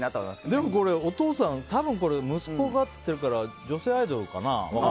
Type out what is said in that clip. でも、お父さん、多分息子がって言ってるから女性アイドルかな？